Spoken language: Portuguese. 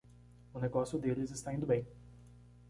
O negócio deles está indo bem